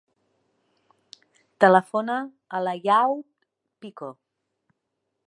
Telefona a l'Àyoub Pico.